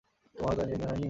তোমারও তাই মনে হয়নি?